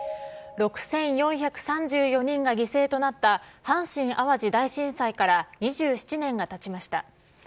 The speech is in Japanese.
６４３４人が犠牲となった阪神・淡路大震災から２７年がたちました。